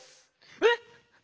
えっ